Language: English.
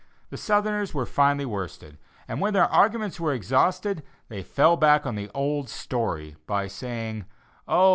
The Southerners were finally worsted, and when their arguments were exhausted, they fell back on the old story, by saying: "Oh!